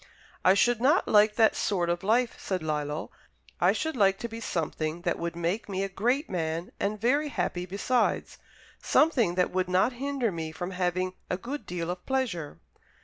"I should not like that sort of life," said Lillo, "I should like to be something that would make me a great man, and very happy besides something that would not hinder me from having a good deal of pleasure."